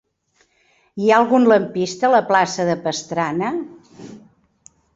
Hi ha algun lampista a la plaça de Pastrana?